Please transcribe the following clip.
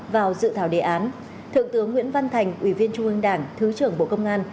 vào dự thảo đề án thượng tướng nguyễn văn thành ủy viên trung ương đảng thứ trưởng bộ công an